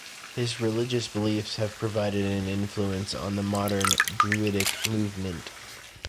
His religious beliefs have provided an influence on the modern druidic movement.